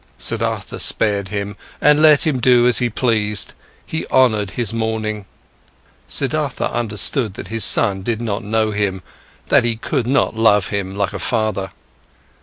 Siddhartha spared him and let him do as he pleased, he honoured his mourning. Siddhartha understood that his son did not know him, that he could not love him like a father.